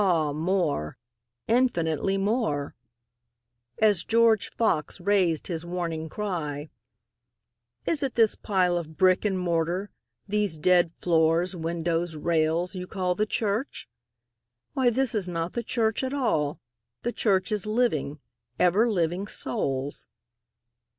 Ah more—infinitely more;(As George Fox rais'd his warning cry, "Is it this pile of brick and mortar—these dead floors, windows, rails—you call the church? Why this is not the church at all—the Church is living, ever living Souls.")